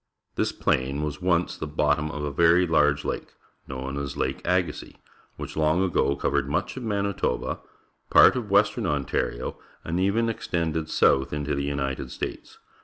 This plain was once the bottom of a very large lake, known as Lake Agassiz, which long ago covered much of Manitoba, part of western Ontario, and e\'en extended south into the United' States.